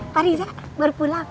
pak riza baru pulang